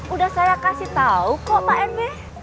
udah saya kasih tau kok pak nb